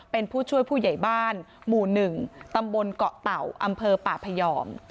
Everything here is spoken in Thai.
เป็นผู้ช่วยผู้ใหญ่บ้านหมู่๑ตำบลเกาะเต่าอำเภอป่าพยอม